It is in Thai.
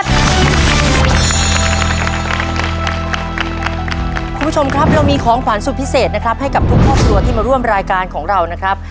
คุณผู้ชมครับเรามีของขวัญสุดพิเศษนะครับให้กับทุกครอบครัวที่มาร่วมรายการของเรานะครับ